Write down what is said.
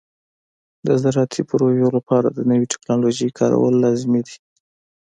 د زراعتي پروژو لپاره د نوې ټکنالوژۍ کارول لازمي دي.